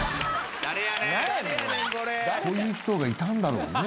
こういう人がいたんだろうね。